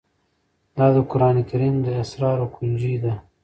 دا د قرآن کريم د اسرارو كونجي ده